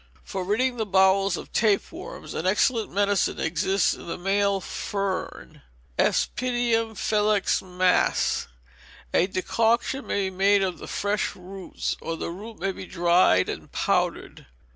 For ridding the bowels of tape worms, an excellent medicine exists in the male fern Aspidium felix mas. A decoction may be made of the fresh roots, or the root may be dried and powdered.